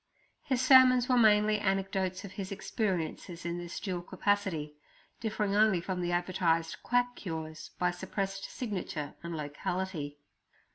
His sermons were mainly anecdotes of his experiences in this dual capacity, differing only from the advertised quack cures by suppressed signature and locality.